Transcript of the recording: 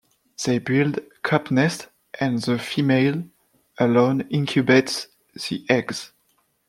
They build cup nests, and the female alone incubates the eggs.